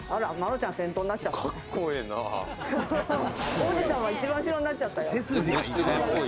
王子様一番後ろになっちゃったよ。